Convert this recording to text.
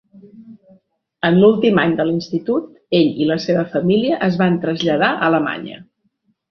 En l'últim any de l'institut, ell i la seva família es van traslladar a Alemanya.